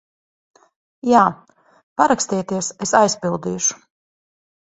Jā. Parakstieties, es aizpildīšu.